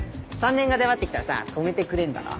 ３年が出張ってきたらさ止めてくれんだろ？